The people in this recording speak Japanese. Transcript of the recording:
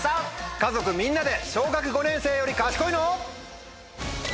家族みんなで小学５年生より賢いの？